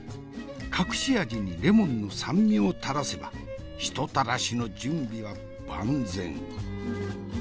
隠し味にレモンの酸味をたらせば人タラシの準備は万全。